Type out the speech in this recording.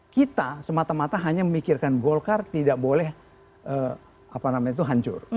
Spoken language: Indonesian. kita semata mata hanya memikirkan golkar tidak boleh hancur